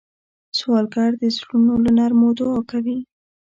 سوالګر د زړونو له نرمو دعا کوي